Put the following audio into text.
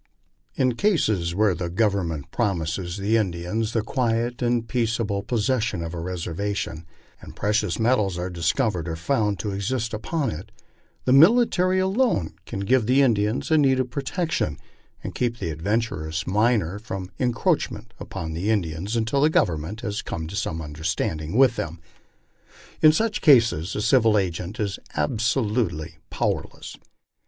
In cases where the Government promises the Indians the quiet and peaceable possession of a reservation, and precious metals are discovered or found to exist upon it, the military alone can give Mie Indians the needed protection, and keep the adventurous miner from encroach ing upon the Indians until the Government has come to some understanding with them. In such cases the civil agent is absolutely powerless.